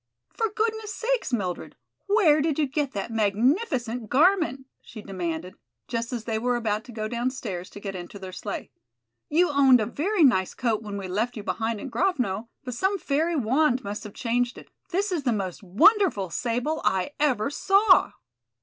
"For goodness' sake, Mildred, where did you get that magnificent garment?" she demanded, just as they were about to go downstairs to get into their sleigh. "You owned a very nice coat when we left you behind in Grovno, but some fairy wand must have changed it. This is the most wonderful sable I ever saw."